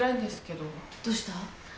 どうした？